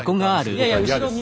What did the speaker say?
嫌ですよ。